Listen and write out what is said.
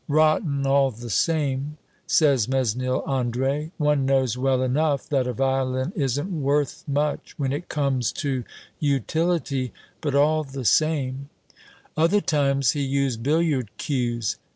"Rotten, all the same," says Mesnil Andre. "One knows well enough that a violin isn't worth much when it comes to utility, but all the same " "Other times, he used billiard cues.